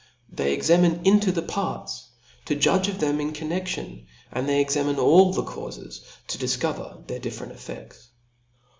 They examine into the parts, to Judge of them in conne(^ion ; and they examine all the caufes to difcover their diflferent ciFcdts.